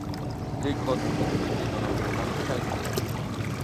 Les grottes ont été creusées dans la montagne calcaire.